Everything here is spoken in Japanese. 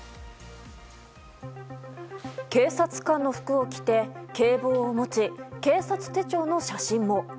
警察官の服を着て警棒を持ち警察手帳の写真も。